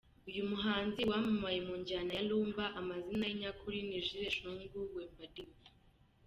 Uyu muhanzi wamamaye mu njyana ya Lumba amazina ye nyakuri ni Jules Shungu Wembadio.